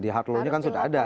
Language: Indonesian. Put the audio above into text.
di hard law nya kan sudah ada